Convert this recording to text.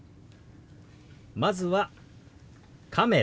まずは「カメラ」。